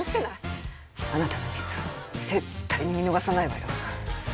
あなたのミスは絶対に見逃さないわよ。